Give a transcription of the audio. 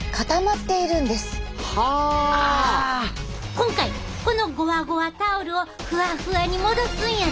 今回このゴワゴワタオルをふわふわに戻すんやで！